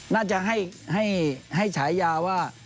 น่าจะให้ฉายาว่า